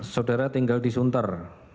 saudara tinggal di sunter